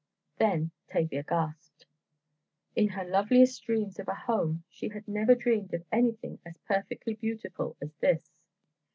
Then Tavia gasped. In her loveliest dreams of a home, she had never dreamed of anything as perfectly beautiful as this.